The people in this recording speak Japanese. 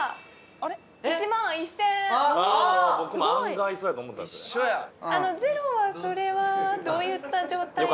あの０はそれはどういった状態で？